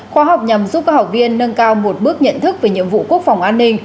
khóa học nhằm giúp các học viên nâng cao một bước nhận thức về nhiệm vụ quốc phòng an ninh